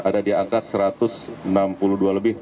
ada di angka satu ratus enam puluh dua lebih